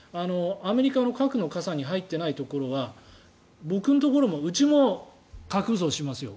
アメリカの核の傘に入っていないところは僕のところもうちも核武装しますよ